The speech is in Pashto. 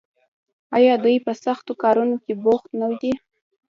آیا دوی په سختو کارونو کې بوخت نه دي؟